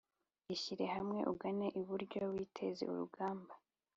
ishyire hamwe ugana iburyo witeze urugamba